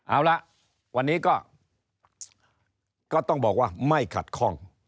เอาละวันนี้ก็ต้องบอกว่าไม่ขัดข้อง